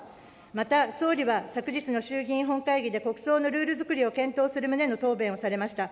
また、総理は昨日の衆議院本会議で国葬のルールづくりを検討する旨の答弁をされました。